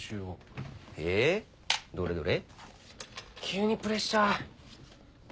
急にプレッシャー。